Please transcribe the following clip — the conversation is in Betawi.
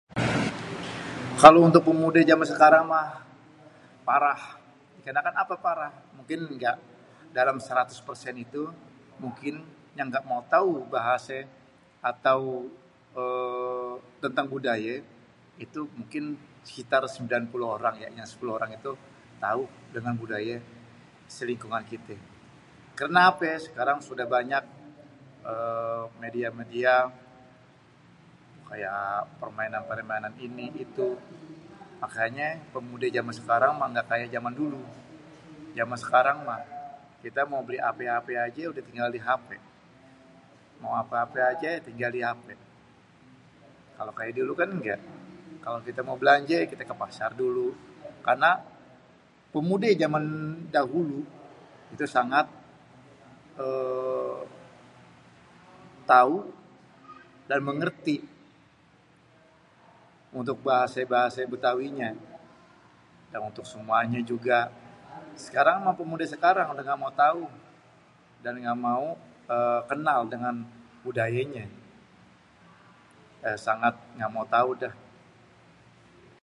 Kalo untuk pemudé zaman sekarang mah parah. Kenapa parah? mungkin engga dalam 100% itu mungkin yang engga mau tau bahasé atau eee tentang budaye itu mungkin sekitar 90 orang, yang 10 orang itu tau dengan budaye selingkungan kite. Karena ape sekarang sudah banyak eee media-media kaya permainan-permainan ini itu makanyé pemudé zaman sekarang engga kaye zaman dulu. Zaman sekarang mah kita mau beli ape-ape aje udah tinggal di HP, mau apé-apé ajé tinggal di HP kalo kaya dulu kan engga. Kalau kite mau belanjé kite ke pasar dulu karena pemude zaman dahulu itu sangat eee tau dan mengerti untuk bahasé-bahasé Bétawinya. Untuk semuanya juga, sekarang mah pemudé sekarang udeh engga mau tau dan gak mau kenal dengan budayénya, sangat engga mau tau deh.